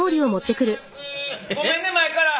ごめんね前から。